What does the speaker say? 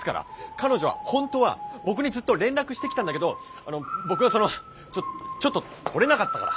彼女は本当は僕にずっと連絡してきたんだけど僕がそのちょっと取れなかったから！